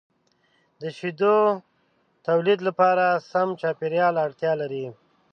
د شیدو د تولید لپاره د سم چاپیریال اړتیا لري.